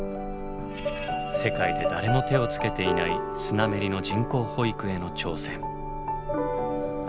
世界で誰も手をつけていないスナメリの人工哺育への挑戦。